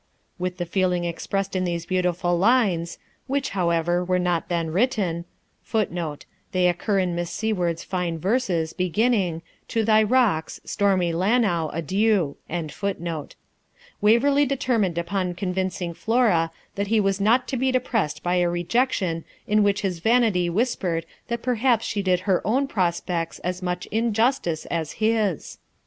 With the feeling expressed in these beautiful lines (which, however, were not then written), [Footnote: They occur in Miss Seward's fine verses, beginning 'To thy rocks, stormy Lannow, adieu.'] Waverley determined upon convincing Flora that he was not to be depressed by a rejection in which his vanity whispered that perhaps she did her own prospects as much injustice as his.